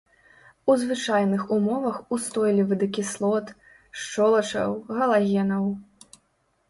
У звычайных умовах устойлівы да кіслот, шчолачаў, галагенаў.